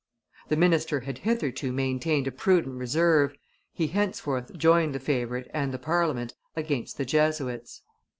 The minister had hitherto maintained a prudent reserve; he henceforth joined the favorite and the Parliament against the Jesuits.